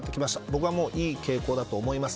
僕はいい傾向だと思います。